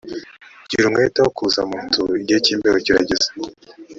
gira umwete wo kuza munzu igihe cy imbeho kirageze